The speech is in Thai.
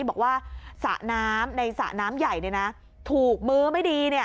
บอกว่าสระน้ำในสระน้ำใหญ่ถูกมื้อไม่ดี